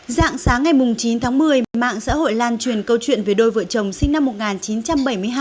dạng sáng ngày chín tháng một mươi mạng xã hội lan truyền câu chuyện về đôi vợ chồng sinh năm một nghìn chín trăm bảy mươi hai